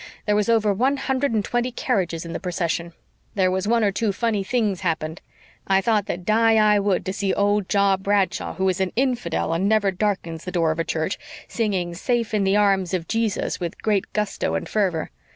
There was over one hundred and twenty carriages in the procession. There was one or two funny things happened. I thought that die I would to see old Joe Bradshaw, who is an infidel and never darkens the door of a church, singing 'Safe in the Arms of Jesus' with great gusto and fervor.